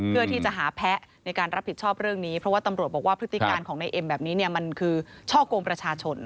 เพื่อที่จะหาแพ้ในการรับผิดชอบเรื่องนี้เพราะว่าตำรวจบอกว่าพฤติการของในเอ็มแบบนี้เนี่ยมันคือช่อกงประชาชน